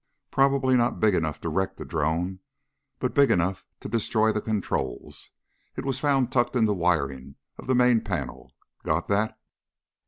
Probably not big enough to wreck the drone but big enough to destroy the controls. It was found tucked in the wiring of the main panel. Got that?"